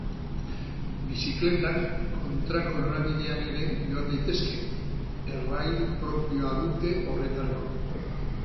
Bizikletak kontrako norabidean ere joan daitezke, errail propioa dute horretarako.